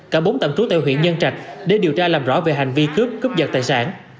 cả bốn tạm trú tại huyện nhân trạch để điều tra làm rõ về hành vi cướp cướp giật tài sản